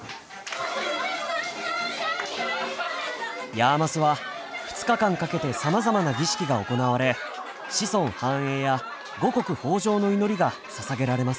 ヤーマスは２日間かけてさまざまな儀式が行われ子孫繁栄や五穀豊穣の祈りがささげられます。